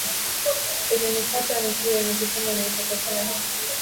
Ikinitaka nikiri nikisema nilipokosea